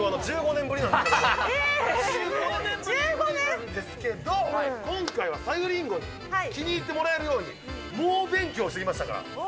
１５年ぶりなんですけども、今回はさゆりんごに気に入ってもらえるように、猛勉強してきましたから。